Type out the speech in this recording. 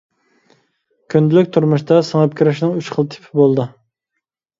كۈندىلىك تۇرمۇشتا سىڭىپ كىرىشنىڭ ئۈچ خىل تىپى بولىدۇ.